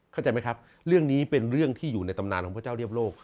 เข้าใจไหมครับเรื่องนี้เป็นเรื่องที่อยู่ในตำนานของพระเจ้าเรียบโลก